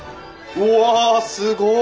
うわすごい。